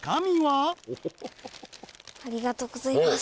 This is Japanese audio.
ありがとうございます